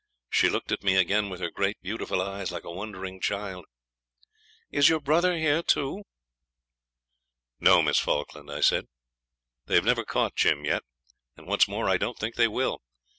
She looked at me again with her great beautiful eyes like a wondering child. 'Is your brother here too?' 'No, Miss Falkland,' I said. 'They've never caught Jim yet, and, what's more, I don't think they will.